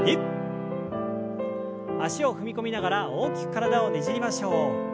脚を踏み込みながら大きく体をねじりましょう。